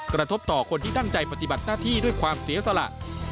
กระทบต่อคนที่ตั้งใจปฏิบัติหน้าที่ด้วยความเสียสละ